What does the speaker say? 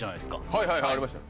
はいはいありましたよ。